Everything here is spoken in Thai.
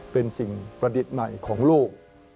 เป็นสิ่งประดิษฐ์ใหม่ของโลก